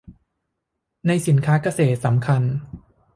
ในสินค้าเกษตรสำคัญ